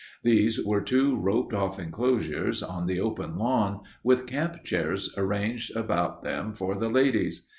These were two roped off enclosures on the open lawn, with camp chairs arranged about them for the ladies.